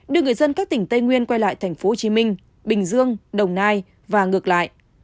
đưa người dân các tỉnh tây nguyên quay lại thành phố hồ chí minh bình dương đồng nai và ngược lại